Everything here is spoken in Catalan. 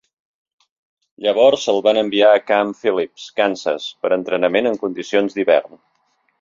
Llavors el van enviar a Camp Phillips, Kansas per entrenament en condicions d'hivern.